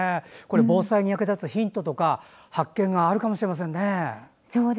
防災に役立つヒントとか発見があるかもしれませんね。